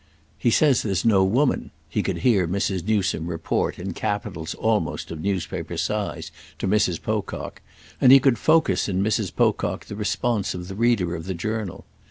"He says there's no woman," he could hear Mrs. Newsome report, in capitals almost of newspaper size, to Mrs. Pocock; and he could focus in Mrs. Pocock the response of the reader of the journal.